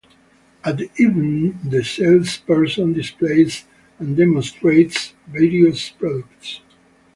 At the event, the salesperson displays and demonstrates various products.